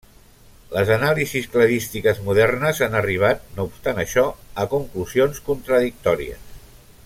Les anàlisis cladístiques modernes han arribat, no obstant això, a conclusions contradictòries.